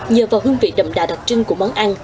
nhờ vào hương vị đậm đà đặc trưng của món ăn